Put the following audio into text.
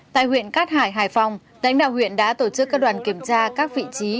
tại huyện cát hải hải phòng lãnh đạo huyện đã tổ chức các đoàn kiểm tra các vị trí